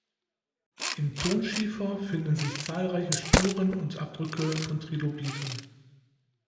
Im Tonschiefer finden sich zahlreiche Spuren und Abdrücke von Trilobiten.